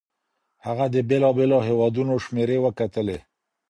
هغه د بېلابېلو هيوادونو شمېرې وکتلې.